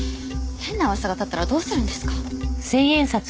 変な噂が立ったらどうするんですか。